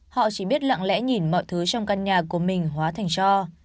họ chỉ biết lặng lẽ nhìn mọi thứ trong căn nhà của mình hóa thành cho